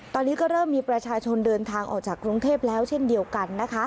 ตอนนี้ก็เริ่มมีประชาชนเดินทางออกจากกรุงเทพแล้วเช่นเดียวกันนะคะ